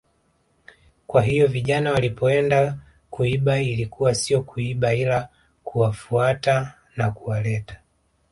Kwa hiyo vijana walipoenda kuiba ilikuwa sio kuiba ila kuwafuata na kuwaleta